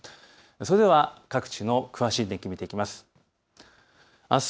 それでは各地の詳しい天気を見ていきます。